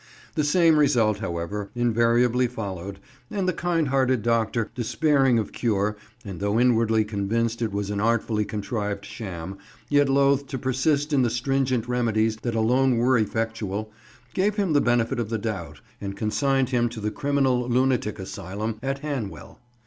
The same result, however, invariably followed, and the kind hearted doctor, despairing of cure, and though inwardly convinced it was an artfully contrived sham, yet loth to persist in the stringent remedies that alone were effectual, gave him the benefit of the doubt, and consigned him to the Criminal Lunatic Asylum at Hanwell.